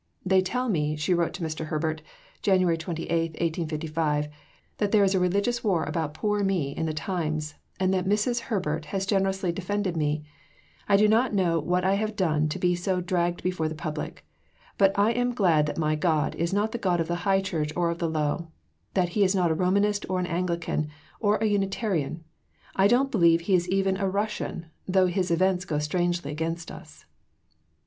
"They tell me," she wrote to Mr. Herbert (Jan. 28, 1855), "that there is a religious war about poor me in the Times, and that Mrs. Herbert has generously defended me. I do not know what I have done to be so dragged before the Public. But I am so glad that my God is not the God of the High Church or of the Low, that He is not a Romanist or an Anglican or a Unitarian. I don't believe He is even a Russian, though His events go strangely against us.